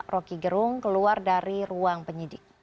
roky gerung keluar dari ruang penyidik